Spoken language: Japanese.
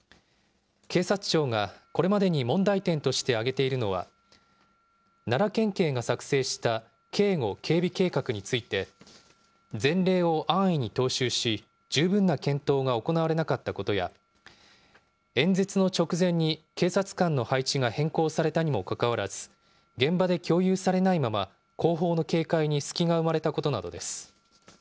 警察庁がこれまでに問題点として挙げているのは、奈良県警が作成した警護・警備計画について、前例を安易に踏襲し、十分な検討が行われなかったことや、演説の直前に警察官の配置が変更されたにもかかわらず、現場で共有されないまま、後方の警戒に隙が生まれたことなどです。